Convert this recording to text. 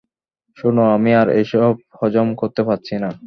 শোনো, আমি আর এসব হজম করতে পারছি না।